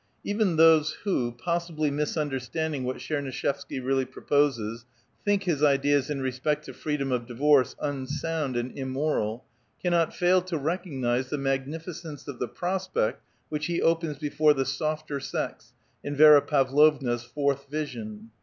Even those who, possibly misunderstanding' what Tchernui shevsky really proposes, think his ideas in respect to free dom of divorce unsound and immoral, cannot fail to recog nize the magnificence of the prospect which he opens before "the softer sex" in Vi^ra Pavlovua's Fourth Vision.